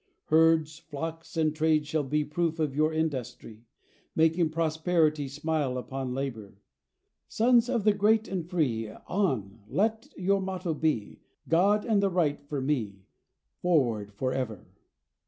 Herds, flocks, and trade shall be Proof of your industry, Making prosperity Smile upon labour. Sons of the great and free, On! let your motto be, "God and the right for me, Forward for ever."